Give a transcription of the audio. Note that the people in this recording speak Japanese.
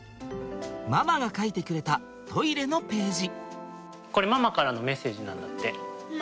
ママが書いてくれたトイレのページ。